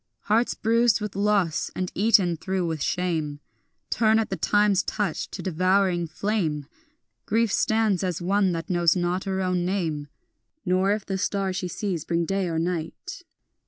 Hearts bruised with loss and eaten through with shame Turn at the time's touch to devouring flame; Grief stands as one that knows not her own name, Nor if the star she sees bring day or night.